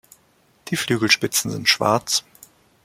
Die Flügelspitzen sind schwarz.